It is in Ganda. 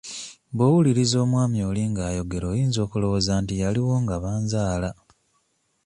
Bw'owuliriza omwami oli nga ayogera oyinza okulowooza nti yaliwo nga banzaala.